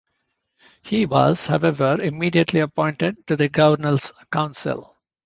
He was, however, immediately appointed to the Governor's Council.